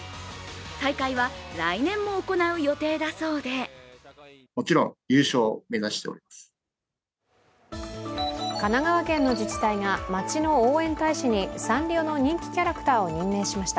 大会は来年も行う予定だそうで神奈川県の自治体が町の応援大使にサンリオの人気キャラクターを任命しました。